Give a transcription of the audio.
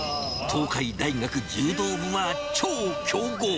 東海大学柔道部は超強豪。